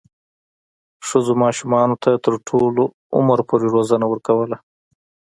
ښځو ماشومانو ته تر لوړ عمر پورې روزنه ورکوله.